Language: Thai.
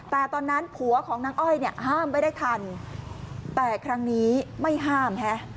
แต่ตอนนั้นผัวของนางอ้อยเนี่ยห้ามไว้ได้ทันแต่ครั้งนี้ไม่ห้ามฮะ